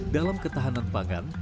dalam ketahanan pangan